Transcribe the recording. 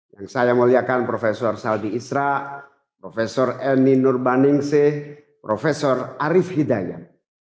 yang saya muliakan profesor saldi isra prof eni nurbaningsih prof arief hidayat